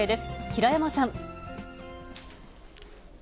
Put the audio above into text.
平山さん。